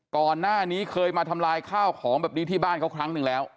ก่อนหน้านี้เคยมาทำลายข้าวของแบบนี้ที่บ้านเขาครั้งหนึ่งแล้ว